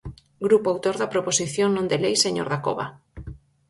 Grupo autor da proposición non de lei, señor Dacova.